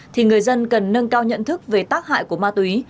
thì người dân cần nâng cao nhận thức về tác hại của ma túy